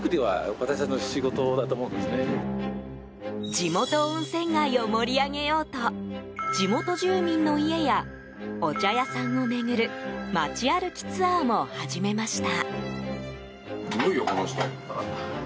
地元温泉街を盛り上げようと地元住民の家やお茶屋さんを巡る街歩きツアーも始めました。